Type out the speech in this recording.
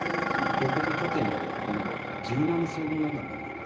横と縦の柔軟性のようなものをね